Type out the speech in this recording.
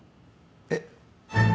えっ？